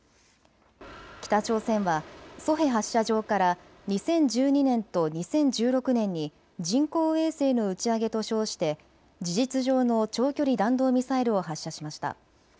北朝鮮はソヘ発射場から２０１２年と２０１６年に人工衛星の打ち上げと称して事実上の長距離弾道ミサイルを発射しました。